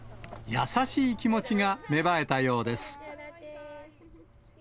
優しい気持ちが芽生えたようです。